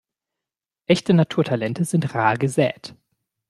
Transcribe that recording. Echte Naturtalente sind rar gesät.